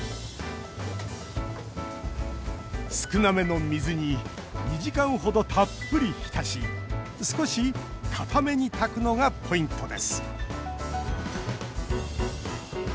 少なめの水に２時間程たっぷり浸し少し硬めに炊くのがポイントです。